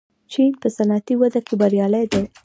چین په صنعتي وده کې بریالی دی.